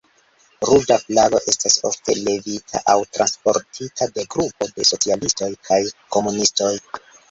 Ruĝa flago estas ofte levita aŭ transportita de grupo de socialistoj kaj komunistoj.